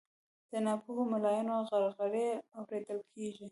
د ناپوهو ملایانو غرغړې اورېدل کیږي